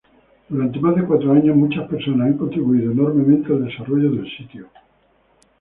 Durante más de cuatro años, muchas personas han contribuido enormemente al desarrollo del sitio.